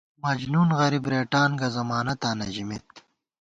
مجنون غریب ریٹان گہ ضمانتاں نہ ژِمېت